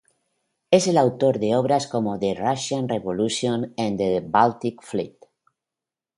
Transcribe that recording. Es autor de obras como "The Russian Revolution and the Baltic Fleet.